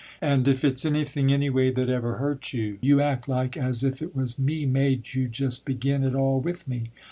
And if its anything anyway that ever hurts you, you act like as if it was me made you just begin it all with me.